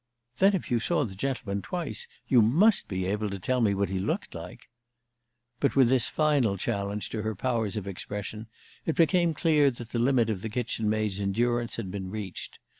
"Then, if you saw the gentleman twice, you must be able to tell me what he looked like." But with this final challenge to her powers of expression it became clear that the limit of the kitchen maid's endurance had been reached.